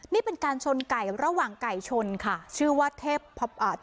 นี่เป็นการชนไก่ระหว่างไก่ชนค่ะชื่อว่าเทพอ่า